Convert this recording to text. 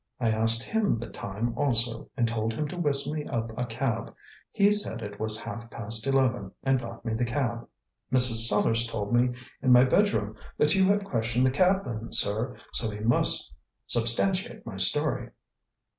I asked him the time also, and told him to whistle me up a cab. He said it was half past eleven and got me the cab. Mrs. Sellars told me in my bedroom that you had questioned the cabman, sir, so he must substantiate my story."